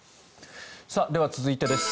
では、続いてです。